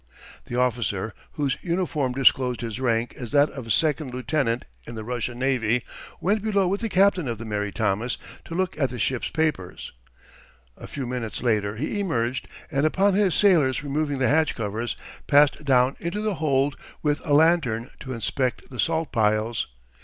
The officer, whose uniform disclosed his rank as that of second lieutenant in the Russian navy went below with the captain of the Mary Thomas to look at the ship's papers. A few minutes later he emerged, and upon his sailors removing the hatch covers, passed down into the hold with a lantern to inspect the salt piles.